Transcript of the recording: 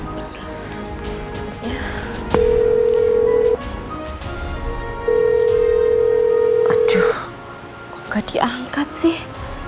kok gak diangkat sih